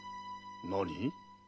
何？